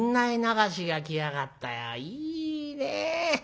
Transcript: いいねえ！